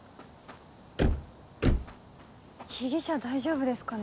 被疑者大丈夫ですかね